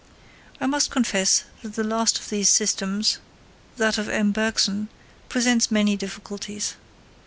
I must confess that the last of these systems, that of M. Bergson, presents many difficulties.